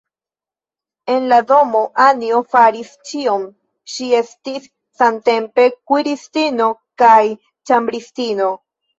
En la domo Anjo faris ĉion; ŝi estis samtempe kuiristino kaj ĉambristino.